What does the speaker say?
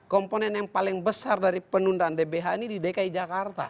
komponen yang paling besar dari penundaan dbh ini di dki jakarta